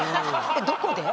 どこで？